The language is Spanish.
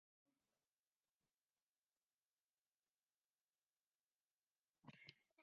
Otra variedad de gazpacho viudo es el elaborado sólo con tocino de cerdo.